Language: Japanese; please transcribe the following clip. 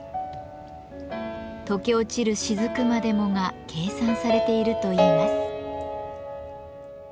とけ落ちる滴までもが計算されているといいます。